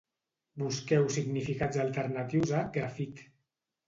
Busqueu significats alternatius a «grafit».